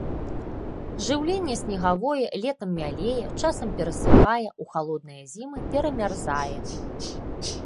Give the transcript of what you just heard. Жыўленне снегавое, летам мялее, часам перасыхае, у халодныя зімы перамярзае.